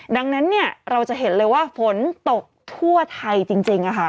ดังนั้นเนี่ยเราจะเห็นเลยว่าฝนตกทั่วไทยจริงอะค่ะ